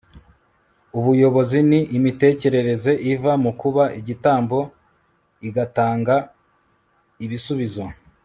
ubuyobozi ni imitekerereze iva mu kuba igitambo igatanga ibisubizo